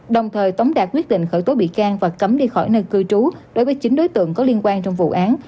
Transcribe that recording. đồng thời tống đạt quyết định khởi tố bị can và cấm đi khỏi nơi cư trú đối với chín đối tượng có liên quan trong vụ án